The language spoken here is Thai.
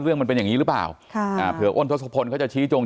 มันเป็นอย่างนี้หรือเปล่าค่ะอ่าเผื่ออ้นทศพลเขาจะชี้จง